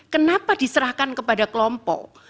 kenapa diserahkan kepada kelompok